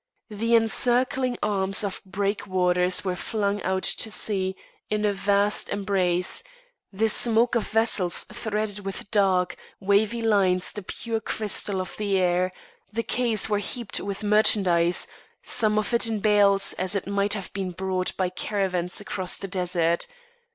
The encircling arms of break waters were flung out to sea in a vast embrace; the smoke of vessels threaded with dark, wavy lines the pure crystal of the air; the quays were heaped with merchandise, some of it in bales, as if it might have been brought by caravans across the desert.